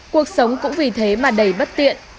cuộc sống cũng vì thế mà đầy bất tiện